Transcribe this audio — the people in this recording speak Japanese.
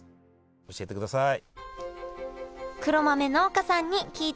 教えてください。